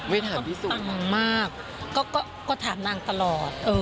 ไม่ถามพี่สูงค่ะมากมากก็ก็ถามนางตลอดเออ